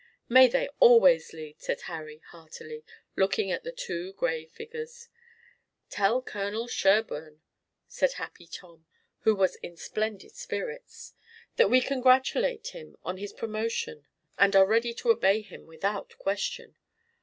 "May they always lead!" said Harry heartily, looking at the two gray figures. "Tell Colonel Sherburne," said Happy Tom, who was in splendid spirits, "that we congratulate him on his promotion and are ready to obey him without question."